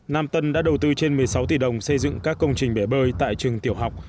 nam tân đã đầu tư trên một mươi sáu tỷ đồng xây dựng các công trình bể bơi tại trường tiểu học